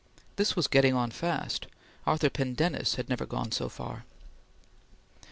This was getting on fast; Arthur Pendennis had never gone so far.